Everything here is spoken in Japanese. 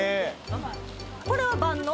これは万能？